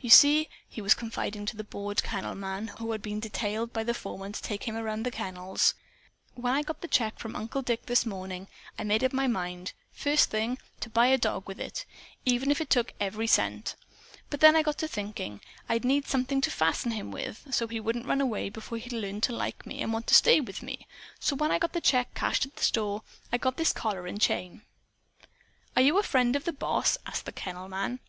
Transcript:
"You see," he was confiding to the bored kennel man who had been detailed by the foreman to take him around the kennels, "when I got the check from Uncle Dick this morning, I made up my mind, first thing, to buy a dog with it, even if it took every cent. But then I got to thinking I'd need something to fasten him with, so he wouldn't run away before he learned to like me and want to stay with me. So when I got the check cashed at the store, I got this collar and chain." "Are you a friend of the boss?" asked the kennel man.